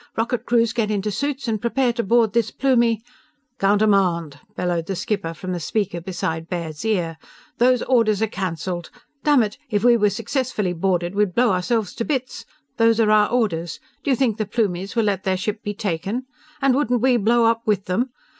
Rocket crews get into suits and prepare to board this Plumie _" "Countermand!" bellowed the skipper from the speaker beside Baird's ear. "_Those orders are canceled! Dammit, if we were successfully boarded we'd blow ourselves to bits! Those are our orders! D'you think the Plumies will let their ship be taken? And wouldn't we blow up with them?